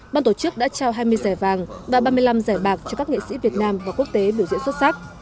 ban tổ chức đã trao hai mươi giải vàng và ba mươi năm giải bạc cho các nghệ sĩ việt nam và quốc tế biểu diễn xuất sắc